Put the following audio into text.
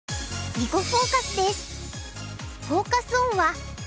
「囲碁フォーカス」です。